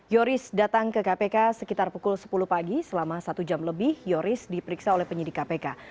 yoris datang ke kpk sekitar pukul sepuluh pagi selama satu jam lebih yoris diperiksa oleh penyidik kpk